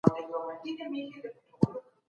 څه شی د قاچاق مخنیوی کوي؟